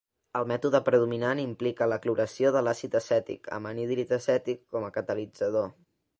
El mètode predominant implica la cloració de l'àcid acètic, amb anhídrid acètic com a catalitzador.